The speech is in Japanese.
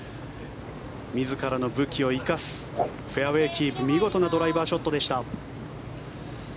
自らの武器を生かすフェアウェーキープ見事なドライバーショットでした。